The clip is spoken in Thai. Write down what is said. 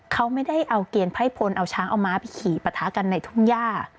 เขาไม่ได้เอาเกณฑ์ไพ่พลเอาช้างเอาม้าไปขี่ปะทะกันในทุ่งย่า